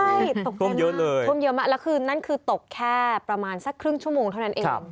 ใช่ตกท่วมเยอะเลยท่วมเยอะมากแล้วคือนั่นคือตกแค่ประมาณสักครึ่งชั่วโมงเท่านั้นเอง